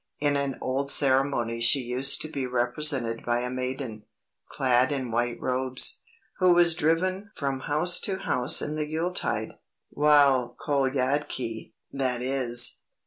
In an old ceremony she used to be represented by a maiden, clad in white robes, who was driven from house to house in the yuletide, while kolyadki (_i.e.